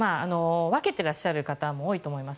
分けてらっしゃる方も多いと思います。